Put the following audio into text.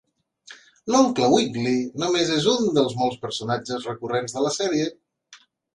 L'oncle Wiggily només és un dels molts personatges recurrents de la sèrie.